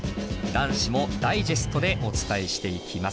男子もダイジェストでお伝えしていきます。